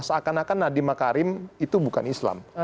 seakan akan nadiem makarim itu bukan islam